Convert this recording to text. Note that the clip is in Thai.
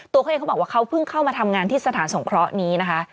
ตัวเขาเองเขาบอกว่าเขาเพิ่งเข้ามาทำงานที่สถานสงเคราะห์นี้นะคะ